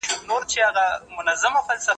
په دغي کیسې کي ډېر عبرت دی.